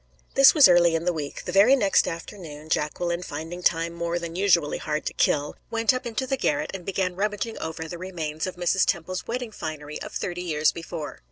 This was early in the week. The very next afternoon, Jacqueline finding time more than usually hard to kill, went up into the garret and began rummaging over the remains of Mrs. Temple's wedding finery of thirty years before.